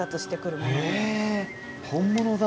本物だ。